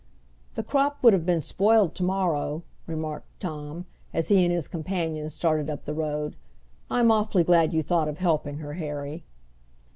"The crop would have been spoiled to morrow," remarked Tom, as he and his companions started up the road. "I'm awfully glad you thought of helping her, Harry."